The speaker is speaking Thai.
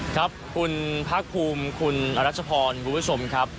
ครับคุณพระคุมคุณรัชพรคุณผู้ชมครับ